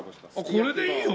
これでいいよ！